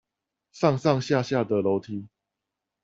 上上下下的樓梯